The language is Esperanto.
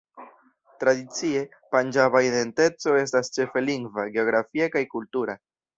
Tradicie, panĝaba identeco estas ĉefe lingva, geografia kaj kultura.